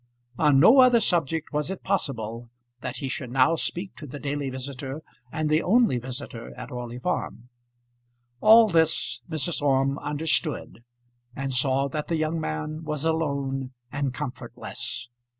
On no other subject was it possible that he should now speak to the daily visitor and the only visitor at Orley Farm. All this Mrs. Orme understood, and saw that the young man was alone and comfortless.